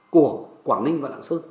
của quảng ninh và lạng sơn